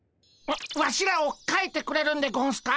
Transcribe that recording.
ワワシらをかいてくれるんでゴンスか？